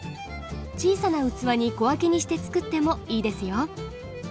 小さな器に小分けにしてつくってもいいですよ。